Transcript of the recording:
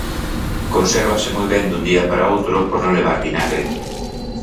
Consérvase moi ben dun día para outro por non levar vinagre.